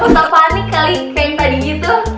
kok tak panik kali kayak yang tadi gitu